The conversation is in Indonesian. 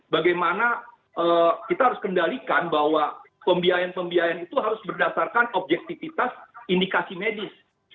bagaimana kita harus kendalikan bahwa pembiayan pembiayan itu harus berdasarkan objektifitas indikasi medis